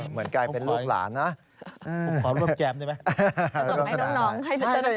เหมือนกลายเป็นลูกหลานนะอืมขอร่วมแจมได้ไหมส่งให้น้อง